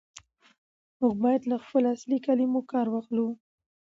موږ بايد له خپلو اصلي کلمو کار واخلو.